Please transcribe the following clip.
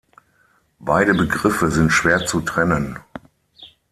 Beide Begriffe sind schwer zu trennen.